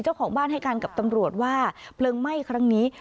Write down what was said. เจ้าของบ้านให้การกับตำรวจว่าเพลิงไหม้ครั้งนี้